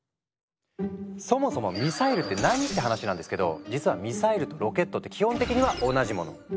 そもそもミサイルって何って話なんですけど実はミサイルとロケットって基本的には同じもの。